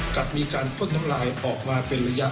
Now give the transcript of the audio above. กับมีการพ่นน้ำลายออกมาเป็นระยะ